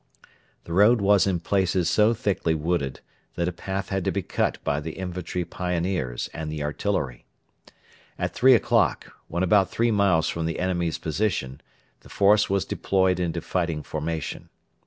The road was in places so thickly wooded that a path had to be cut by the infantry pioneers and the artillery. At three o'clock, when about three miles from the enemy's position, the force was deployed into fighting formation.